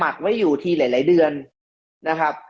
ไว้อยู่ทีหลายเดือนนะครับ